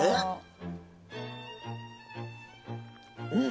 うん！